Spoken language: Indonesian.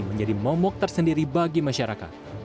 menjadi momok tersendiri bagi masyarakat